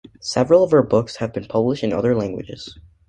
Several of her books have been published in other languages.